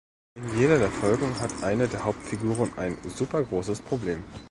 In jeder der Folgen hat eine der Hauptfiguren ein „super großes Problem“.